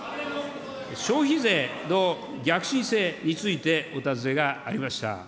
消費税の逆進性についてお尋ねがありました。